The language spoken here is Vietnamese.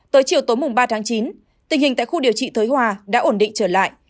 tới chiều tối muộn ba chín tình hình tại khu điều trị thới hòa đã ổn định trở lại